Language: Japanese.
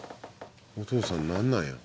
お父さんなんなんやろ？